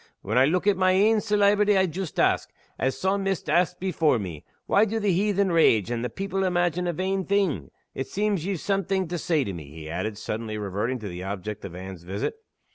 When I look at my ain celeebrity I joost ask, as the Psawmist asked before me, 'Why do the heathen rage, and the people imagine a vain thing?' It seems ye've something to say to me," he added, suddenly reverting to the object of Anne's visit.